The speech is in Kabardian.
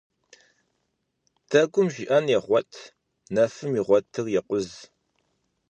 Дэгум жиӀэн егъуэт, нэфым игъуэтыр екъуз.